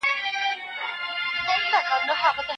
آیا ته به دا کیسه خپلو نورو ملګرو ته هم ووایې؟